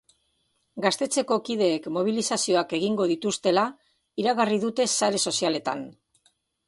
Gaztetxeko kideek mobilizazioak egingo dituztela iragarri dute sare sozialetan.